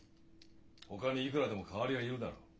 ほかにいくらでも代わりはいるだろう。